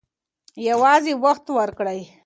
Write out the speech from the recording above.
یوازې وخت ورکړئ.